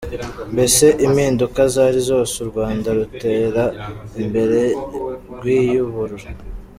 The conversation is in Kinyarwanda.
Mbese impinduka zari zose, U rwanda rutera imbere, rwiyuburura.